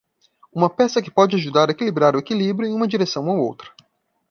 Uma peça que pode ajudar a equilibrar o equilíbrio em uma direção ou outra.